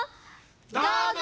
どうぞ！